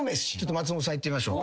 松本さんいってみましょう。